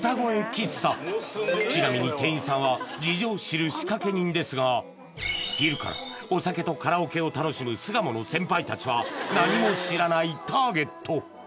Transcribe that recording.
喫茶ちなみに店員さんは事情を知る仕掛人ですが昼からお酒とカラオケを楽しむ巣鴨の先輩たちは何も知らないターゲット！